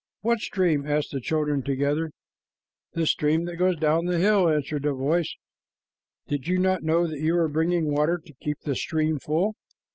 "What stream?" asked the children together. "The stream that goes down the hill," answered the voice. "Did you not know that you were bringing water to keep the stream full?"